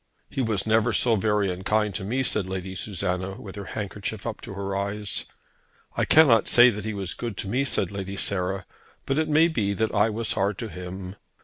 "He was never so very unkind to me," said Lady Susanna, with her handkerchief up to her eyes. "I cannot say that he was good to me," said Lady Sarah, "but it may be that I was hard to him.